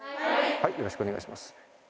よろしくお願いします。